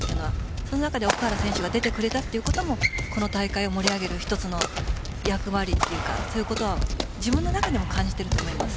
その中で奥原選手が出てくれたというのもこの大会を盛り上げる一つの役割というかそういうことは自分の中でも感じていると思います。